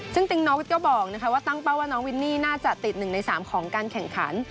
ซึ่งติ๊งน้องวิทย์ก็บอกว่าตั้งเป้าว่าน้องวินนี่น่าจะติด๑ใน๓ของการแข่งขัน